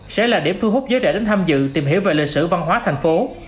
sẽ là điểm thu hút giới trẻ đến tham dự tìm hiểu về lịch sử văn hóa thành phố